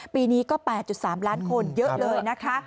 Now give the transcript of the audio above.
ปีนี้ก็๘๓ล้านคนเยอะเลยนะคะ